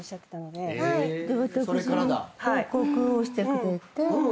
で私に報告をしてくれて。